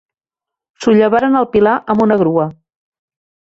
Sollevaren el pilar amb una grua.